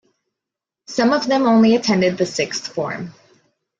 Some of them only attended the sixth form.